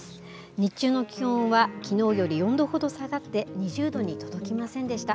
日中の気温はきのうより４度ほど下がって、２０度に届きませんでした。